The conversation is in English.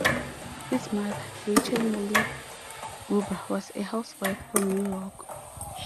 His mother, Rachel Molly Gruber, was a housewife from New York.